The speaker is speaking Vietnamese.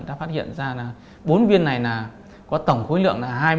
ta phát hiện ra bốn viên này có tổng khối lượng là hai mươi năm năm mươi sáu gram